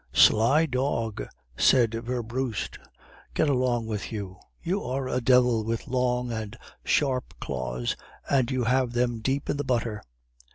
"'Sly dog,' said Werbrust. 'Get along with you; you are a devil with long and sharp claws, and you have them deep in the butter.